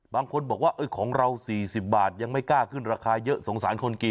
บางคนบอกว่าของเรา๔๐บาทยังไม่กล้าขึ้นราคาเยอะสงสารคนกิน